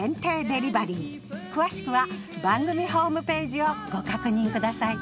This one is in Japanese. デリバリー詳しくは番組ホームページをご確認ください